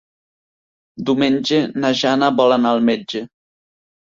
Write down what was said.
Diumenge na Jana vol anar al metge.